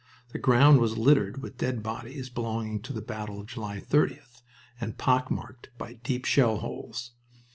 The ground was littered with dead bodies belonging to the battle of July 30th, and pock marked by deep shell holes.